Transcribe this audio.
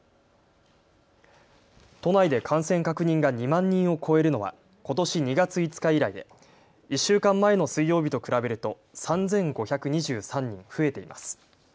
都内で感染確認が２万人を超えるのはことし２月５日以来で１週間前の水曜日と比べると３５２３人増えています。